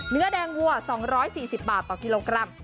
เนื้อแดงวัว๒๔๐บาทต่อกิโลกรัม